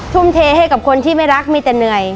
ทุ่มเทให้กับคนที่ไม่รักมีแต่เหนื่อย